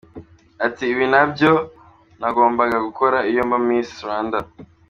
Ati “Ibi ni nabyo nagombaga gukora iyo mba Miss Rwanda.